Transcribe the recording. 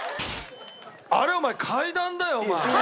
あれお前階段だよお前。